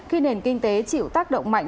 khi nền kinh tế chịu tác động mạnh